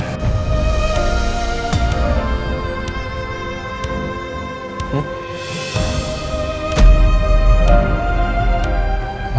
lo bisa jalan